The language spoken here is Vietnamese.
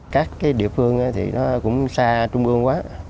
các địa phương thì nó cũng xa trung ương quá